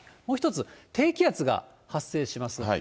もう１つ低気圧が発生します。